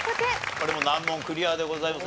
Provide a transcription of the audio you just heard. これも難問クリアでございます。